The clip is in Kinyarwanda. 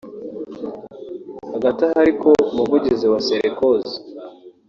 Hagati aho ariko umuvugizi wa Sarkozy